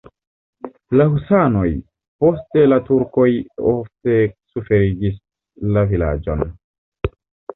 La husanoj, poste la turkoj ofte suferigis la vilaĝon.